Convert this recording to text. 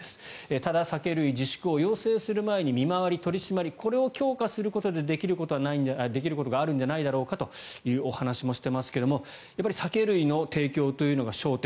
ただ、酒類自粛を要請する前に見回り、取り締まりを強化することでできることがあるんじゃないんだろうかというお話もしていますが酒類の提供というのが焦点。